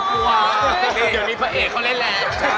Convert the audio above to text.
ใช่